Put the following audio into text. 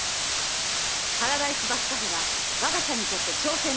「パラダイスバスカフェは我が社にとって挑戦です。